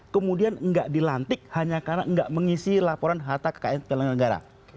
kemudian tidak dilantik hanya karena tidak mengisi laporan harta kekayaan penjaga negara